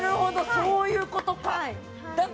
そういうことか。